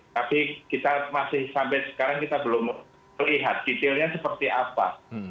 tapi kita masih sampai sekarang kita belum melihat detailnya seperti apa